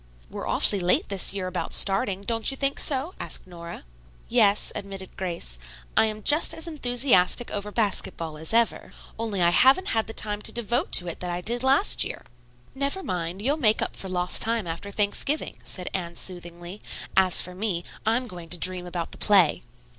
"We're awfully late this year about starting. Don't you think so?" asked Nora. "Yes," admitted Grace. "I am just as enthusiastic over basketball as ever, only I haven't had the time to devote to it that I did last year." "Never mind, you'll make up for lost time after Thanksgiving," said Anne soothingly. "As for me, I'm going to dream about the play."